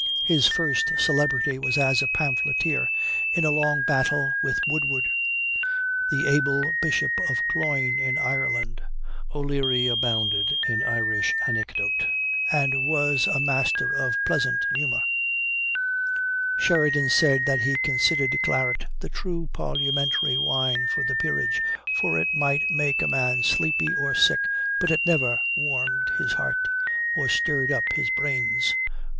His first celebrity was as a pamphleteer, in a long battle with Woodward, the able Bishop of Cloyne, in Ireland. O'Leary abounded in Irish anecdote, and was a master of pleasant humor. "Sheridan said that he considered claret the true parliamentary wine for the peerage, for it might make a man sleepy or sick, but it never warmed his heart, or stirred up his brains.